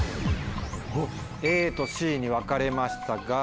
ＡとＣに分かれましたが。